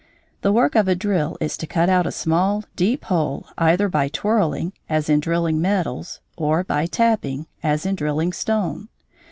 The work of a drill is to cut out a small deep hole either by twirling (as in drilling metals) or by tapping (as in drilling stone).